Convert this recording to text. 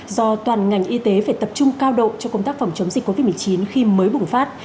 do toàn ngành y tế phải tập trung cao độ cho công tác phòng chống dịch covid một mươi chín khi mới bùng phát